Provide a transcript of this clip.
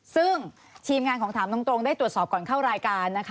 ซึ่งทีมงานของถามตรงได้ตรวจสอบก่อนเข้ารายการนะคะ